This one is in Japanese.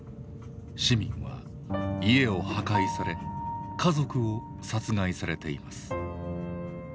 市民は家を破壊され家族を殺害されています。